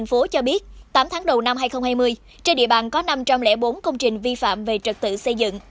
sở xây dựng tp hcm cho biết tám tháng đầu năm hai nghìn hai mươi trên địa bàn có năm trăm linh bốn công trình vi phạm về trật tự xây dựng